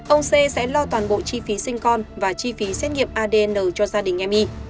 ông c sẽ lo toàn bộ chi phí sinh con và chi phí xét nghiệm adn cho gia đình emi